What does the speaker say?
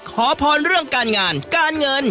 ขอพรเรื่องการงานการเงิน